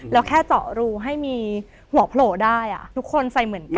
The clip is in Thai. แล้วแค่เจาะรูให้มีหัวโผล่ได้ทุกคนใส่เหมือนกัน